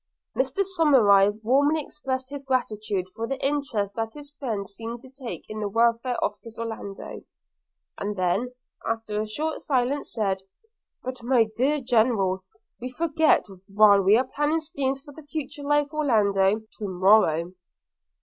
Mr Somerive warmly expressed his gratitude for the interest that his friend seemed to take in the welfare of his Orlando; and then, after a short silence, said: 'But, my dear General, we forget, while we are planning schemes for the future life of Orlando, it may be terminated to morrow.'